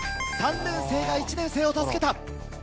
３年生が１年生を助けた！